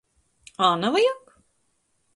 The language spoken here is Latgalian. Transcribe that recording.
Ā, navajag?